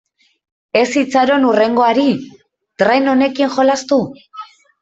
Ez itxaron hurrengoari, tren honekin jolastu.